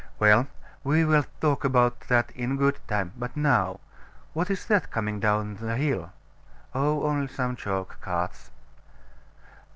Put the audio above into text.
Well, we will talk about that in good time: but now What is that coming down the hill? Oh, only some chalk carts.